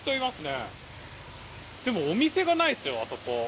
でもお店がないですよあそこ。